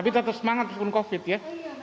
kita semangat dihukum covid ya